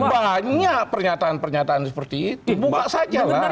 karena banyak pernyataan pernyataan seperti itu buka sajalah